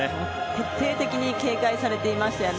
徹底的に警戒されていましたよね。